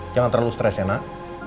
jangan terlalu stres ya nak